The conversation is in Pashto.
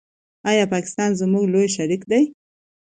آیا پاکستان زموږ لوی شریک دی؟